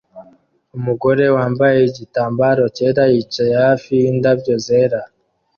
Umugore wambaye igitambaro cyera yicaye hafi yindabyo zera